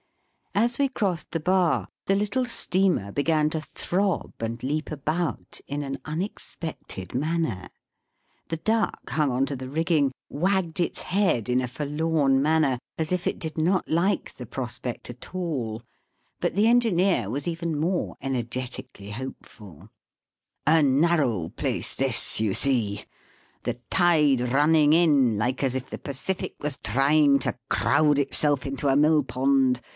As we crossed the bar the little steamer began to throb and leap about in an un expected manner. The duck, hung on to the rigging, wagged its head in a forlorn manner, as if it did not like the prospect at all. But the engineer was even more ener getically hopeful. " A narrow place this, you see. The tide running in like as if the Pacific was trying to Digitized by VjOOQIC 42 EAST BY WEST. crowd itself into a mill pond.